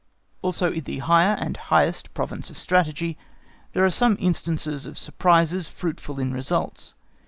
Also in the higher and highest province of Strategy there are some instances of surprises fruitful in results.